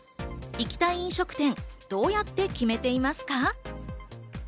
行きたい飲食店どうやって決めていますか？